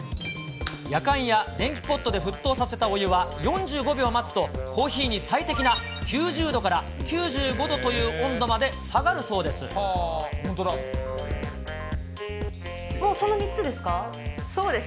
やかんや電気ポットで沸騰させたお湯は４５秒待つとコーヒーに最適な９０度から９５度という温度まで下がるそうです。